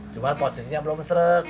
cuman posisinya belum seret